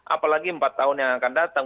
apalagi empat tahun yang akan datang